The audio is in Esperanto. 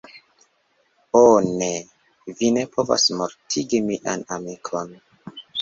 Oh ne! Vi ne povas mortigi mian amikon!